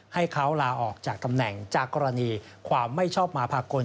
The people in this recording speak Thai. ให้เขาลาออกจากตำแหน่งจากกรณีความไม่ชอบมาภากล